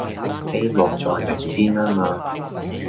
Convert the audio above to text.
希望在明天吖嘛